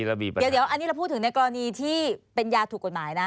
เดี๋ยวอันนี้เราพูดถึงในกรณีที่เป็นยาถูกกฎหมายนะ